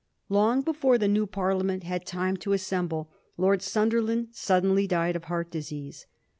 Long before the new Parliament had time to assemble Lord Sunderland suddenly died of heart disease.